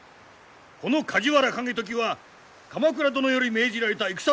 この梶原景時は鎌倉殿より命じられた軍奉行である。